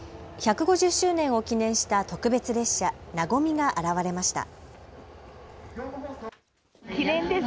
１５０周年を記念した特別列車、なごみが現れました。